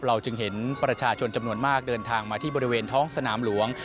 จึงเห็นประชาชนจำนวนมากเดินทางมาที่บริเวณท้องสนามหลวง